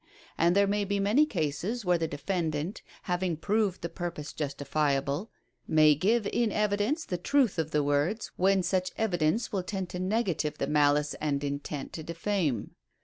And there may be many cases where the defendant, having proved the purpose justifiable, may give in evidence the truth of the words, when such evidence Avill tend to negative the malice and intent to defame."